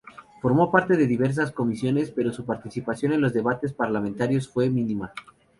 Formó parte de diversas comisiones pero su participación en los debates parlamentarios fue mínima.